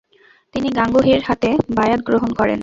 তিনি গাঙ্গুহির হাতে বায়আত গ্রহণ করেন।